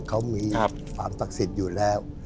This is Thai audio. เขามีความศักดิ์สิทธิ์อยู่แล้ว